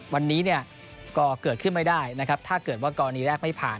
วันนี้เนี่ยก็เกิดขึ้นไม่ได้นะครับถ้าเกิดว่ากรณีแรกไม่ผ่าน